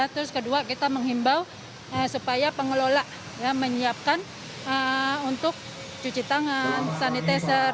terus kedua kita menghimbau supaya pengelola menyiapkan untuk cuci tangan sanitizer